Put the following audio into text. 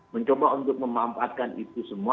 mencoba untuk memanfaatkan itu semua